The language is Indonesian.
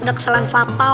udah keselan fatal